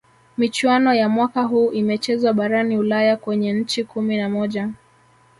michuano ya mwaka huu imechezwa barani ulaya kwenye nchi kumi na moja